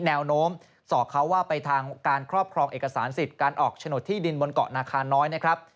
แนวโน้มสอกเขาว่าไปทางการครอบครองเอกสารสิทธิ์การออกโฉนดที่ดินบนเกาะนาคาน้อยนะครับ